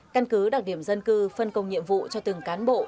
căn cứ đặc điểm dân cư phân công nhiệm vụ cho từng cán bộ